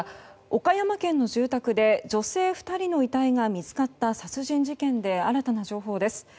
岡山県の住宅で女性２人の遺体が見つかった殺人事件で新たな情報です。